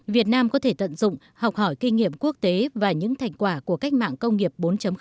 việt nam có thể tận dụng học hỏi kinh nghiệm quốc tế và những thành quả của cách mạng công nghiệp bốn